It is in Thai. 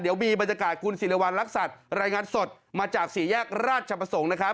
เดี๋ยวมีบรรยากาศคุณศิริวัณรักษัตริย์รายงานสดมาจากสี่แยกราชประสงค์นะครับ